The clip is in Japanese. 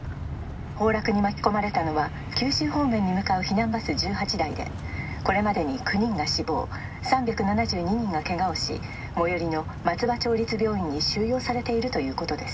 崩落に巻き込まれたのは九州方面に向かう避難バス１８台でこれまでに９人が死亡３７２人がけがをし最寄りの松葉町立病院に収容されているということです